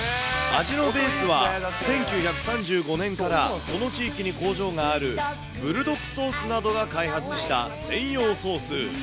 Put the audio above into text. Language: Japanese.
味のベースは、１９３５年からこの地域に工場があるブルドックソースなどが開発した専用ソース。